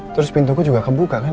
terus pintuku juga kebuka kan